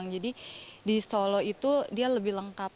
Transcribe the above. jadi di solo itu dia lebih lengkap